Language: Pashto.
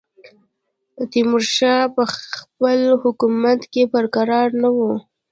تیمورشاه په خپل حکومت کې پر کراره نه وو.